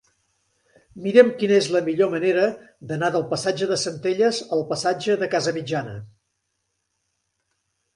Mira'm quina és la millor manera d'anar del passatge de Centelles al passatge de Casamitjana.